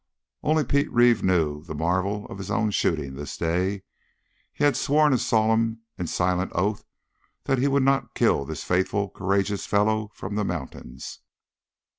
Only Pete Reeve knew the marvel of his own shooting this day. He had sworn a solemn and silent oath that he would not kill this faithful, courageous fellow from the mountains.